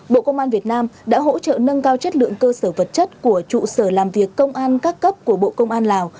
bộ công an việt nam đã hỗ trợ nâng cao chất lượng cơ sở vật chất của trụ sở làm việc công an các cấp của bộ công an lào